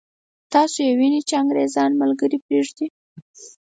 تاسو یې وینئ چې انګرېزان ملګري پرېږدي.